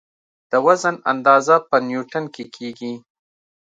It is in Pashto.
د وزن اندازه په نیوټن کې کېږي.